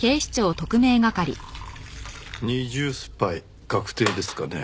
二重スパイ確定ですかね？